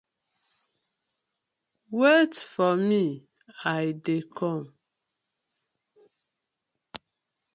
Wait for mi I dey kom.